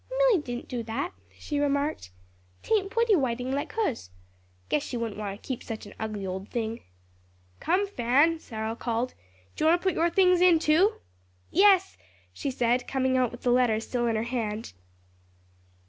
"Milly didn't do that," she remarked; "tain't pretty writin' like hers. Guess she wouldn't want to keep such an ugly old thing." "Come Fan," Cyril called, "do you want to put your things in too?" "Yes;" she said, coming out with the letter still in her hand.